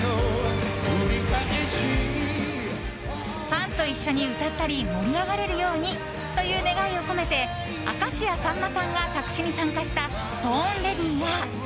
ファンと一緒に歌ったり盛り上がれるようにという願いを込めて明石家さんまさんが作詞に参加した「Ｂｏｒｎｒｅａｄｙ」や。